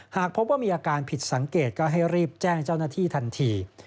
หากพบว่ามีอาการผิดสังเกตก็ให้รีบแจ้งเจ้าหน้าที่ทันที